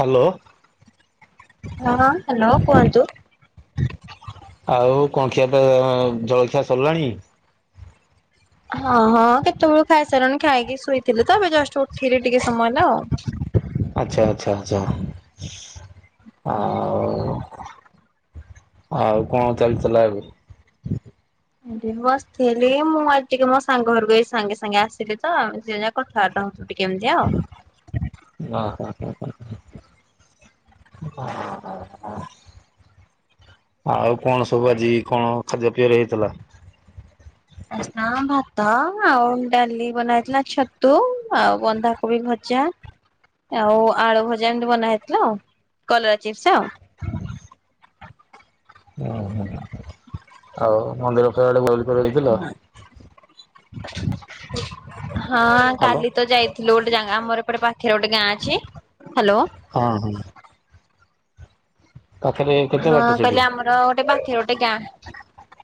[inaudible] Hello. ହଁ hello କୁହନ୍ତୁ। ଆଉ କଣ ଖିଆପିଆ ଆ ଜଳଖିଆ ସରିଲାଣି? ହଁ ହଁ କେତେବେଳୁ ଖାଇସାରିଲଣି ଖାଇକି ଶୋଇଥିଲେ ତ ଏବେ ଜଷ୍ଟ ଉଠିଲି ଟିକେ ସମୟଲା ଆଉ। ଆଛା -ଆଚ୍ଛା -ଆଛା- ଆଉ ଆଉ କଣ ଚାଲିଥିଲା ଏବେ? ବସିଥିଲି ମୁଁ ଆଜି ଟିକେ ମୋ ସାଙ୍ଗ ଘରକୁ ଏ ସାଙ୍ଗେ ସାଙ୍ଗେ ଆସିଲି ତ ଯେଯା କଥାବାର୍ତ୍ତା ହୋଉଥିଲୁ। କେମିତି ଆଉ? [unintelligible] ଆଉ କଣ ସବୁ ଆଜି କଣ ଖାଦ୍ୟ ପିୟରେ ହେଇଥିଲା? [unintelligible] ଭାତ ଆଉ ଡାଲି ବନେଇଥିଲା ଛତୁ ଆଉ ବନ୍ଧାକୋବି ଭ ଚା। ଆଉ ଆଳୁ ଭଜା ଏମତି ବନା ହେଇଥିଲା କଲରା ଚିପ୍ସସ। [inaudible] ଆଉ ମନ୍ଦିର ଖଆଡେ ବୁଲି ବୁଲା ଯାଇଥିଲ? ହଁ ହ୍ୟାଲୋ କାଲି ତ ଯାଇଥିଲୁ ଗୋଟେ ଜାଗା ଆମର ଏପଟେ ଗୋଟେ ଗାଁ ଅଛି ହ୍ୟାଲୋ। ହଁ ହଁ ପାଖରେ କେତେ ହଁ ବାଟ କହିଲି ସେଇଠୁ? ଆମର ଗୋଟେ ବାଖେ ଗୋଟେ ଗାଁ।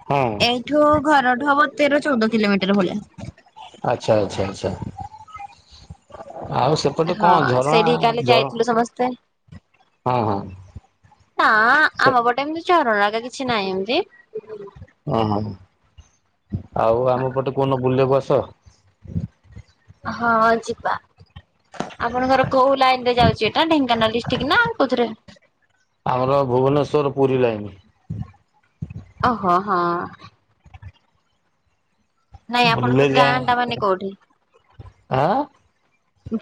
ହଁ ଏଇଠୁ ଘରଠୁ ହବ ତେର ଚଉଦ କିଲୋମିଟର ଭଳିୟା। ଆଚ୍ଛା ଆଚ୍ଛା ଆଚ୍ଛା। ଆଉ ସେପଟେ ହଁ କଣ ଝରଣା ଝର ହଁ ହଁ ନାଁ ସେ ଆମ ପଟେ ଏମିତି ଝରଣା ହେକା କିଛି ନାହିଁ ଏମତି। ଓହୋ ଆଉ ଆମ ପଟେ କୋଉଦିନ ବୁଲିବାକୁ ଆ [inaudible] ହଁ ଯିବା। ଆପଣଙ୍କର କୋଉ ଲାଇନ ରେ ଯାଉଛି ଏଟା ଢେଙ୍କାନାଳ ଡିଷ୍ଟିକ ନାଁ ଆଉ କୋଉଥିରେ? ଆମର ଭୁବନେଶ୍ଵର ପୁରୀ ଲାଇନ। ଓହୋ ହଁ। ନାଇଁ ଆପଣଙ୍କ ବୁଲିଲେ ଯାହା ଗାଁ ଟା ମାନେ କୋଉଠି? ଆଁ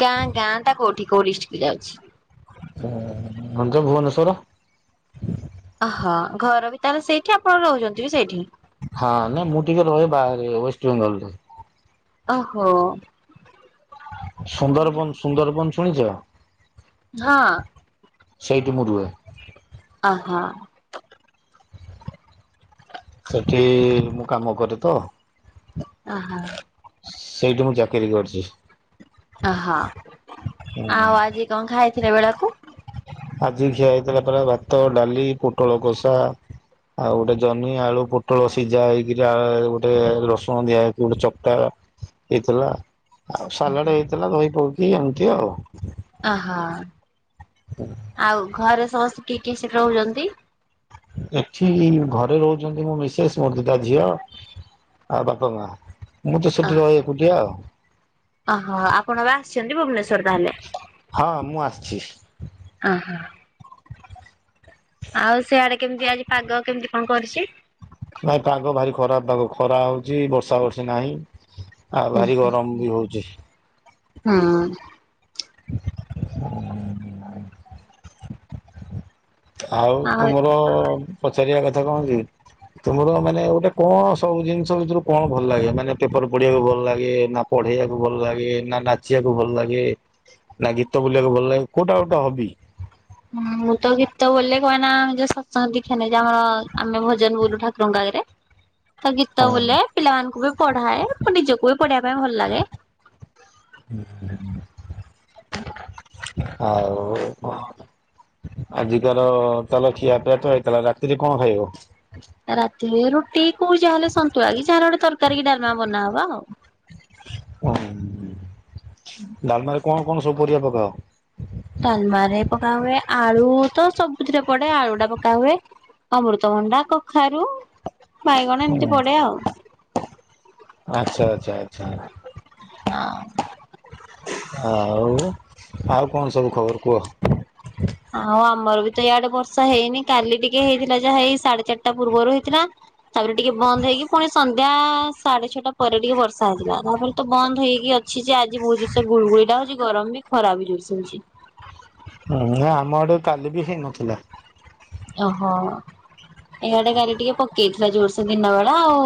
ଗାଁ ଗାଁ ଟା କଉଠି କୋଉ ଡିଷ୍ଟିକ ଯାଉଛି? [inaudible] ମଞ୍ଚ ଭୁବନେଶ୍ୱର। ହଁ ଘର ବି ତାର ସେଇଠି ଆପଣ ରହୁଛନ୍ତି ବି ସେଇଠି? ହଁ ନା ମୁଁ ଟିକେ ଓ ହୋ। ସୁନ୍ଦରବନ ସୁନ୍ଦରବନ ଶୁଣିଛ? ହଁ। ସେଇଠି ମୁଁ ରୁହେ। ଅ ହୋ। ସେଠି ମୁଁ କାମକରେ ତ। ଓ ହୋ। ସେଇଠି ମୁଁ ଚାକିରି କରିଚି। ଓ ହଁ ଆଉ ହୁଁ ଆଜି କଣ ଖାଇଥିଲେ? [unintelligible] ଆଜି ଖିଆ ହେଇଥିଲା ପରା ଭାତ, ଡାଲି, ପୋଟଳ କଷା ଆଉ ଗୋଟେ ଜହ୍ନି ଆଳୁ ପୋଟଳ ସିଝା ହେଇକିରି ଆ ଗୋଟେ ରସୁଣ ଦିଆ ହେଇକି ଗୋଟେ ଚକଟା। ହେଇଥିଲା ଆଉ ସାଲାଡ ହେଇଥିଲା ଦହି ପକେଇ ଏମିତି ଆଉ। ଆହା ଆଉ ଘରେ ସମସ୍ତେ କିଏ କିଏ ସେଠି ରହୁଛନ୍ତି? ଏଠି ଘରେ ରହୁଛନ୍ତି ମୋ ମିସେଶ ମୋର ଦିଇଟା ଝିଅ। ଆଉ ବାପା ମା ମୁଁ ତ ସେଠି ରହେ ଏକୁଟିଆ ଆଉ। ଆହା ଆପଣ ଏବେ ଆସିଛନ୍ତି ଭୁବନେଶ୍ଵର ତାହେଲେ। [unintelligible] ଆ ହା। ଆଉ ସିଆଡେ କେମିତି ଆଜି ପାଗ କେମିତି କଣ କରିଛି? ଖରା ପାଗ ଖରା ହେଉଛି ବର୍ଷା ବର୍ଷି ନାହିଁ ଆଉ ଭାରି ଗରମ ବି ହେଉଛି। ହୁଁ। [unintelligible] ଆଉ ତୁମର। ପଚାରିବା କଥା କଣ କି ତୁମର ମାନେ ଗୋଟେ କଣ ସବୁ ଜିନିଷ ଭିତରୁ କଣ ଭଲ ଲାଗେ ମାନେ କେ ପାଠ ପଢ଼ିବାକୁ ଭଲ ଲାଗେ ନା ପଢ଼େଇଆକୁ ଭଲ ଲାଗେ ନା ନାଚିଆକୁ ଭଲ ଲାଗେ? ନା ଗୀତ ବୋଲିବାକୁ ଭଲ ଲାଗେ କୋଉଟା ଗୋଟେ ହବି? ହଁ ମୁଁ ତ ଗୀତ ବୋଲେ କାହିଁକି ନା ଯୋଉ ସତସଙ୍ଗ ଦୀକ୍ଷା ନେଇଛି ଆମର ଆମେ ଭଜନ ବୋଲୁ ଠାକୁରଙ୍କ ଆଗରେ। [inaudible] ମୁଁ ତ ଗୀତ ହଁ ବୋଲେ ପିଲାମାନଙ୍କୁ ବି ପଢ଼ାଏ ମୁଁ ନିଜକୁ ବି ପଢ଼ିବା ପାଇଁ ଭଲ ଲାଗେ। [inaudible] [inaudible] ଆଉ କଣ। ଆଜିକାର ତାହେଲେ ଖିଆପିଆ ତ ହେଇଥିଲା, ରାତିରେ କଣ ଖାଇବ? ରାତିରେ ରୁଟିକୁ ଯାହାହେଲେ ସନ୍ତୁଳା କି ଯାହାହେଲେ ଗୋଟେ ତରକାରୀ କି ଡାଲମା ବନା ହବ ଆଉ। ଉଁ ଡାଲମାରେ କଣ କଣ ସବୁ ପରିବା ପକାଅ? ଡାଲମାରେ ପକା ହୁଏ ଆଳୁ ତ ସବୁ ସେଥିରେ ପଡେ ଆଳୁଟା ପକା ହୁଏ ଅମୃତଭଣ୍ଡା, କଖାରୁ ବାଇଗଣ ଏମିତି ପଡେ ଆଉ। ଆଚ୍ଛା ଆଚ୍ଛା ଆଚ୍ଛା ହଁ। ଆଉ। ଆଉ କଣ ସବୁ ଖବର କୁହ? ଆଉ ଆମର ବି ତ ଇଆଡେ ବର୍ଷା ହେଇନି କାଲି ଟିକେ ହେଇଥିଲା ଯାହା ହେଇ ସାଢେ଼ ଚାରିଟା ତା ପୂର୍ବରୁ ହେଇଥିଲା ତାପରେ ଟିକେ ବନ୍ଦ ହେଇକି, ପୁଣି ସନ୍ଧ୍ୟା ସାଢେ ଛଅଟା ପରେ ଟିକେ ବର୍ଷା ହେଇଥିଲା। ତାପରେ ତ ବନ୍ଦ ହେଇକି ଅଛି ଯେ ଆଜି ବହୁତ ଜୋର୍ ସେ ଗୁଳଗୁଳିଟା ହଉଛି। ଗରମ ବି ଖରା ବି ଜୋର୍ ସେ ହଉଛି। ହଁ ଆମ ଆଡେ କାଲି ବି ହେଇନଥିଲା। ଓ ହୋ। ଇଆଡେ କାଲି ଟିକେ ପକେଇ ଥିଲା ଜୋରସେ ଦିନ ବେଳା ଆଉ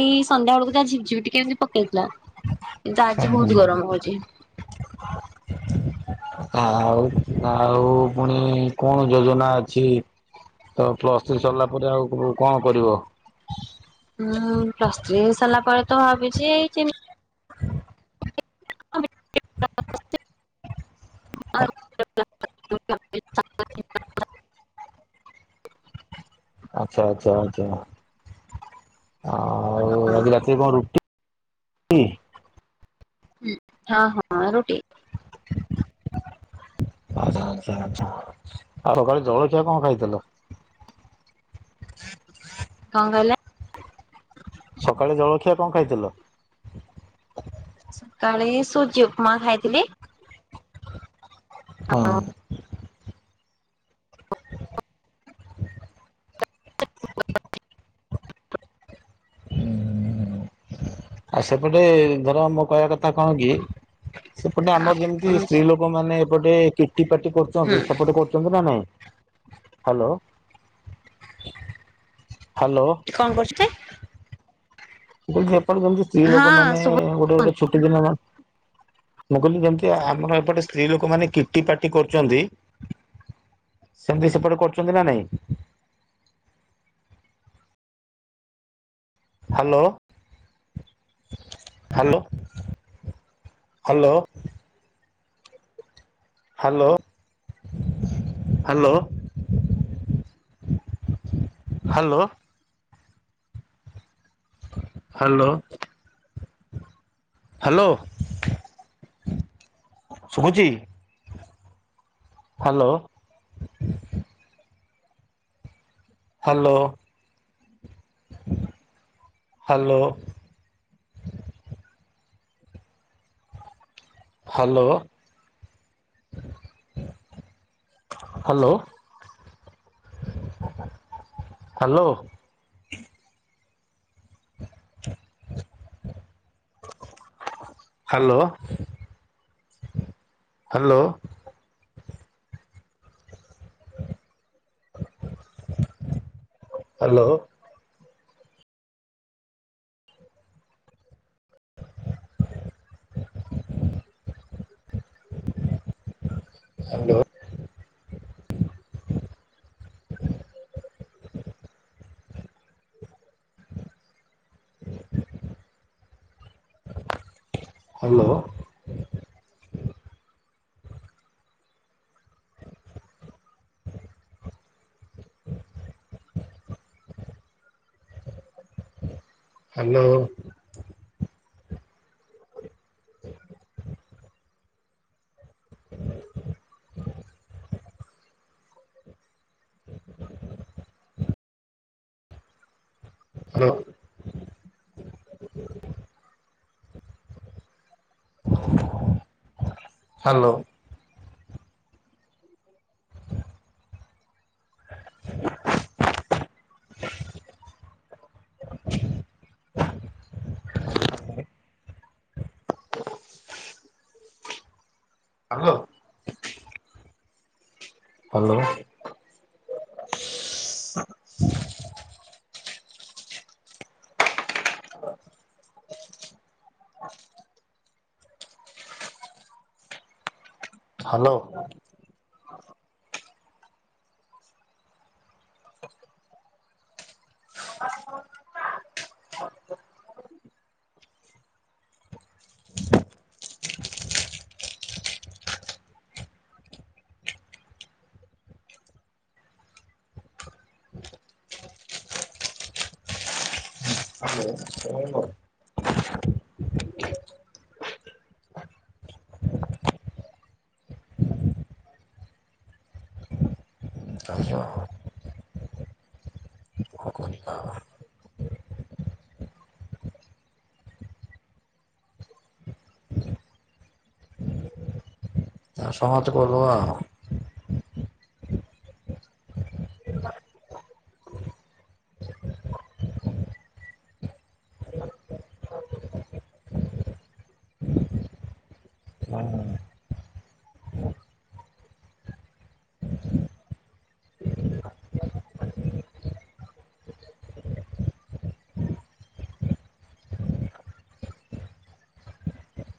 ଏଇ ସନ୍ଧ୍ୟା ବେଳକୁ ତ ଝିପ୍ ଝିପ୍ ଟିକେ ଏମିତି ପକ୍ ହେଇଥିଲା କିନ୍ତୁ ଆଜି ବହୁତ ଗରମ ହଉଛି। ଆଉ ଆଉ ଫୁଣି କଣ ଯୋଜନା ଅଛି। ତ ପ୍ଲସ୍ ଥ୍ରୀ ସରିଲା ପରେ ଆଉ କଣ କଣ କରିବ? ଉଁ ପ୍ଲସ ଥ୍ରୀ [unintelligible] ଭାବିଛି କି [unintelligible] [unintelligible] [unintelligible] ଆଚ୍ଛା ଆଚ୍ଛା ଆଚ୍ଛା। ଆଉ ଆଜି ରାତିରେ କଣ ରୁଟି? ହୁଁ ହଁ ହଁ ରୁଟି। [inaudible] ଆଛା ଆଛା ଆଛା ଆଉ ସଖାଳେ ଜଳଖିଆ କଣ ଖାଇଥିଲ? [inaudible] କଣ କହିଲେ? [inaudible] ସକାଳେ ଜଳଖିଆ କଣ ଖାଇଥିଲ? ସକାଳେ ସୁଜି ଉପମା ଖାଇଥିଲି। ହୁଁ ଆଉ ସେପଟେ ଧର ମୋ କହିବା କଥା କଣ କି ସେପଟେ ଆମର ଯେମିତି ସ୍ତ୍ରୀ ଆପଣଙ୍କୁ ଲୋକ ମାନେ ଏପଟେ କିଟି ପାଟି କରୁଛନ୍ତି ହୁଁ ସେପଟ କରୁଛନ୍ତି ନା ନାଇଁ? ହ୍ୟାଲୋ [inaudible] କଣ କରୁଛନ୍ତି? ମୁଁ କହିଲି ଏପଟେ ଯେମତି ସ୍ତ୍ରୀ ହଁ ଲୋକ ମାନେ ଶୁଭ ଗୋଟେ ଗୋଟେ ଛୁଟି ଦିନ ମୁଁ କହିଲି ଯେମିତି ଆମର ଏପଟେ ସ୍ତ୍ରୀ ଲୋକମାନେ କିଟି ପାଟି କରୁଛନ୍ତି ସେମିତି ସେପଟେ କରୁଛନ୍ତି ନା ନାଇଁ? [inaudible] Hello, hello, hello, hello, hello, [inaudible] hello, hello, [inaudible] hello, ଶୁଭୁଚି? Hello, [inaudible] hello, [inaudible] hello, [inaudible] hello, [inaudible] [inaudible] hello, [inaudible] [inaudible] hello, [inaudible] [inaudible] [inaudible] hello, [inaudible] [inaudible] hello, [inaudible] hello, [inaudible] [inaudible] hello, [inaudible] [inaudible] hello, [inaudible] hello, [inaudible] [inaudible] [inaudible] hello, hello, hello, hello, hello hello ଆ ସମାପ୍ତ କରିଦବା ଆଉ।